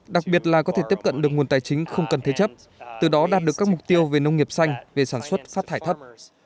đặc biệt là có thể tiếp cận được nguồn tài chính không cần thế chấp từ đó đạt được các mục tiêu về nông nghiệp xanh về sản xuất phát thải thất